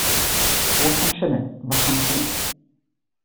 Brot kann schimmeln. Und was kannst du?